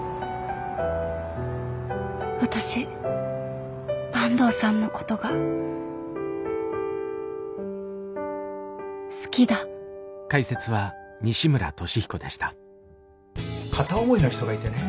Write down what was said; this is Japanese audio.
私坂東さんのことが好きだ片思いの人がいてね。